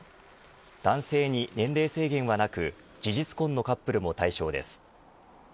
男性に年齢制限はなく事実婚のカップルも対象です。